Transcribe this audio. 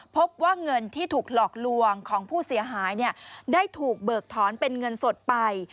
พบว่าเงินที่ถูกหลอกลวงของผู้เสียหายได้ถูกเบิกถอนเป็นเงินสดไป